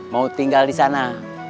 mau tinggal disana